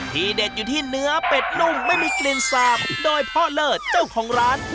เด็ดอยู่ที่เนื้อเป็ดนุ่มไม่มีกลิ่นสาบโดยพ่อเลิศเจ้าของร้าน